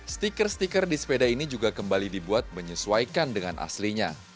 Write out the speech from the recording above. stiker stiker di sepeda ini juga kembali dibuat menyesuaikan dengan aslinya